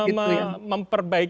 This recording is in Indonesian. jadi itu adalah konteks yang panjang ya